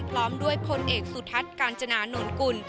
พร้อมด้วยพลเอกสุทัศน์กาญจนานนกุล